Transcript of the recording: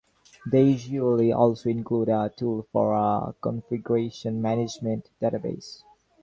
They usually also include a tool for a configuration management database.